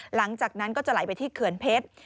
หลังจากนั้นก็จะไหลไปที่เขื่อนเพชร